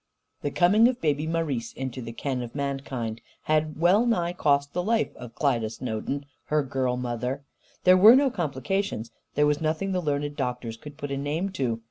The coming of Baby Marise into the ken of mankind had well nigh cost the life of Klyda Snowden, her girl mother. There were no complications; there was nothing the learned doctors could put a name to.